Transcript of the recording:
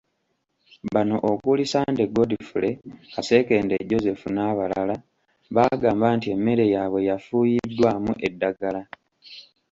Bano okuli; Ssande Godfrey, Kasekende Joseph n'abalala, baagamba nti emmere yaabwe yafuuyiddwamu eddagala.